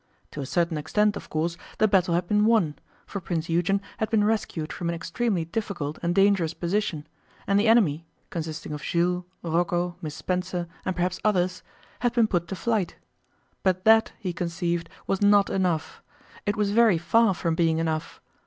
To a certain extent, of course, the battle had been won, for Prince Eugen had been rescued from an extremely difficult and dangerous position, and the enemy consisting of Jules, Rocco, Miss Spencer, and perhaps others had been put to flight. But that, he conceived, was not enough; it was very far from being enough.